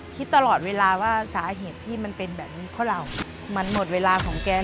คิดตลอดเวลาว่าสาเหตุที่มันเป็นแบบนี้เพราะเรา